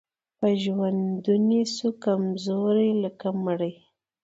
په ژوندوني سو کمزوری لکه مړی